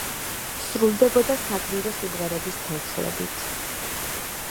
სრულდებოდა საგმირო სიმღერების თანხლებით.